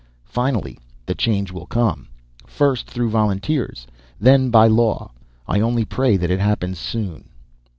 Finally, the change will come. First through volunteers. Then by law. I only pray that it happens soon."